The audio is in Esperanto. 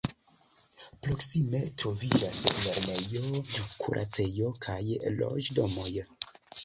Proksime troviĝas lernejo, kuracejo kaj loĝdomoj.